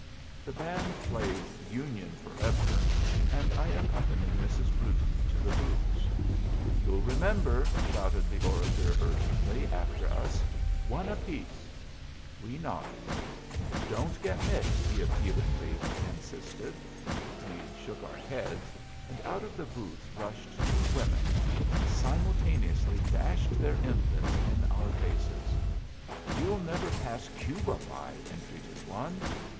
The band played "Union Forever," and I accompanied Mrs. Brewton to the booths. "You'll remember!" shouted the orator urgently after us; "one apiece." We nodded. "Don't get mixed," he appealingly insisted. We shook our heads, and out of the booths rushed two women, and simultaneously dashed their infants in our faces. "You'll never pass Cuba by!" entreated one.